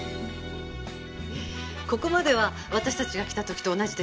ここまでは私たちが来た時と同じです。